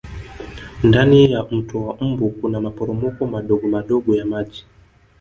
ndani ya mto wa mbu Kuna maporomoko madogomadogo ya maji